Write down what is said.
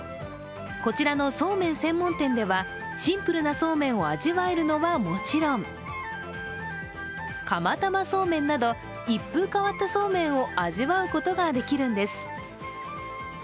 こちらのそうめん専門店では、シンプルなそうめんを味わえるのはもちろん、釜玉そうめんなど、一風変わったそうめんを、味わうことができるんです。